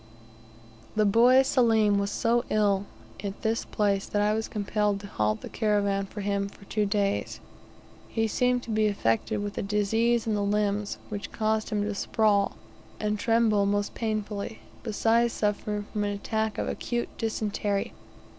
The boy Selim was so ill at this place that I was compelled to halt the caravan for him for two days. He seemed to be affected with a disease in the limbs, which caused him to sprawl, and tremble most painfully, besides suffering from an attack of acute dysentery.